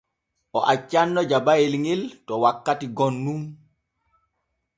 O accanno jabayel ŋel to wakkati gom nun.